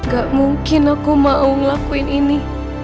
gak mungkin aku mau ngelakuin ini